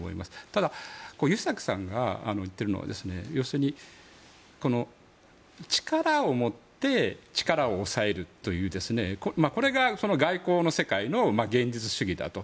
ただ、湯崎さんが言っているのは要するに力をもって力を抑えるという、これが外交の世界の現実主義だと。